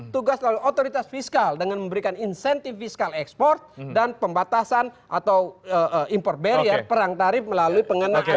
tugas otoritas fiskal dengan memberikan insentif fiskal ekspor dan pembatasan atau import barrier perang tarif melalui pengenaan impor